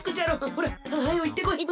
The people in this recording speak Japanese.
ほらはよいってこい！